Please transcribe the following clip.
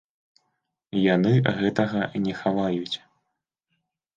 Яны гэтага не хаваюць.